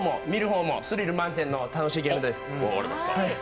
やる方も見る方もスリル満点の楽しいゲームです。